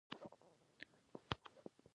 اخلاق د ټولنې د رڼا سرچینه ده.